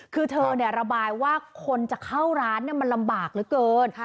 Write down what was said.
คือเธอระบายว่าคนจะเข้าร้านมันลำบากเหลือเกิน